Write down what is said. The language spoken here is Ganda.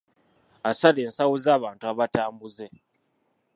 Asala ensawo z'abantu abatambuze.